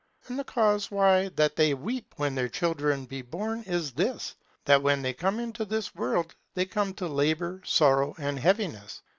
And the cause why that they weep, when their children be born is this; for when they come into this world, they come to labour, sorrow and heaviness.